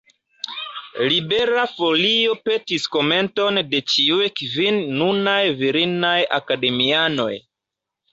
Libera Folio petis komenton de ĉiuj kvin nunaj virinaj akademianoj.